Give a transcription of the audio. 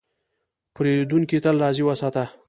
پیرودونکی تل راضي وساته.